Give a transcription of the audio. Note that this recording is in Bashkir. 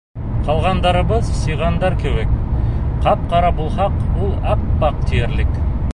Ҡалғандарыбыҙ, сиғандар кеүек, ҡап-ҡара булһаҡ, ул ап-аҡ тиерлек.